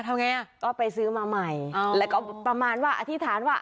ทำไงอ่ะก็ไปซื้อมาใหม่แล้วก็ประมาณว่าอธิษฐานว่า